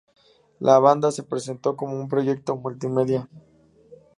La banda se presentó como un proyecto "multimedia".